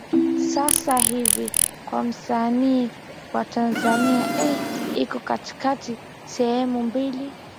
sasa hivi kwa msanii wa tanzania ee iko katikati sehemu mbili